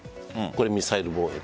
これ、ミサイル防衛。